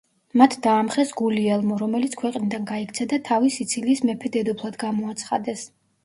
მათ დაამხეს გულიელმო, რომელიც ქვეყნიდან გაიქცა და თავი სიცილიის მეფე-დედოფლად გამოაცხადეს.